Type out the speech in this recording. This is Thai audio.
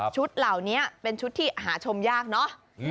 เหล่านี้เป็นชุดที่หาชมยากเนอะ